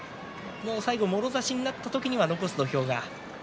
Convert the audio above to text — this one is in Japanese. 最後もろ差しになった時は残す土俵が。